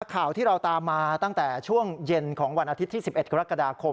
ข่าวที่เราตามมาตั้งแต่ช่วงเย็นของวันอาทิตย์ที่๑๑กรกฎาคม